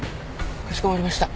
かしこまりました。